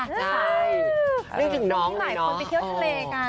นี่ถึงน้องเนอะ